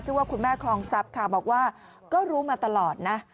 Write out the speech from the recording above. ว่าคุณแม่คลองทรัพย์ค่ะบอกว่าก็รู้มาตลอดนะ